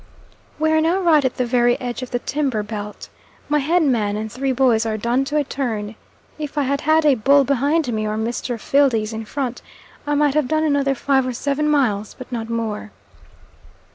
We are now right at the very edge of the timber belt. My head man and three boys are done to a turn. If I had had a bull behind me or Mr. Fildes in front, I might have done another five or seven miles, but not more.